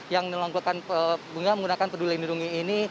yang melakukan pengguna menggunakan peduli lindungi ini